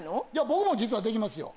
僕も実はできますよ。